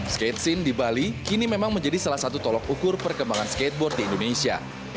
skate scene di bali kini memang menjadi salah satu tolok ukur perkembangan skateboard di indonesia